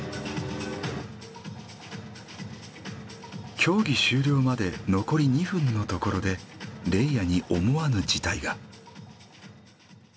競技終了まで残り２分のところでレイヤに思わぬ事態が。